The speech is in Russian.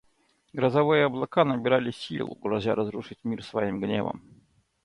Грозовые облака набирали силу, грозя разрушить мир своим гневом.